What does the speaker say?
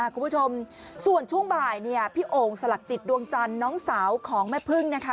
คุณผู้ชมส่วนช่วงบ่ายเนี่ยพี่โอ่งสลักจิตดวงจันทร์น้องสาวของแม่พึ่งนะคะ